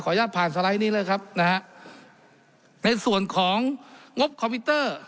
ญาตผ่านสไลด์นี้เลยครับนะฮะในส่วนของงบคอมพิวเตอร์